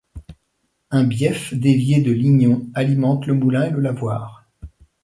Un bief dévié de l'Ignon alimente le moulin et le lavoir.